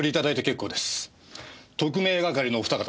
特命係のお二方